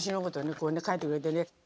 こうね描いてくれてね。